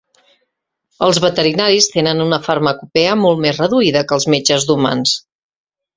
Els veterinaris tenen una farmacopea molt més reduïda que els metges d'humans.